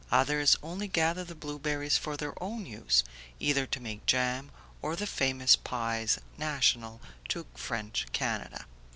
Others only gather the blueberries for their own use, either to make jam or the famous pies national to French Canada.